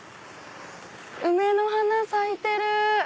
梅の花咲いてる！